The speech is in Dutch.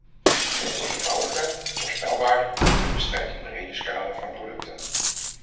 Het is eenvoudiger, voorspelbaarder en bestrijkt een breder scala van producten.